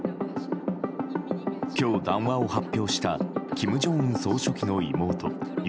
今日、談話を発表した金正恩総書記の妹与